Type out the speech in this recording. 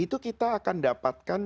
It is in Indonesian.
itu kita akan dapatkan